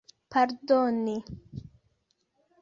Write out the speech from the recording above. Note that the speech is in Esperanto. pardoni